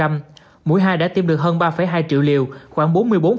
mỗi hai đã tiêm được hơn ba hai triệu liều khoảng bốn mươi bốn